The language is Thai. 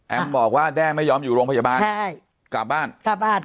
บอกว่าแด้ไม่ยอมอยู่โรงพยาบาลใช่กลับบ้านกลับบ้าน